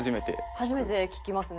初めて聞きますね